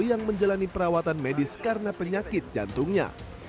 yang menjalani perawatan medis karena penyakit jantungnya